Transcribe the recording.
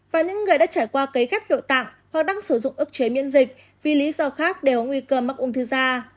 và những người đã trải qua cấy ghép nội tạng hoặc đang sử dụng ức chế miễn dịch vì lý do khác đều có nguy cơ mắc ung thư da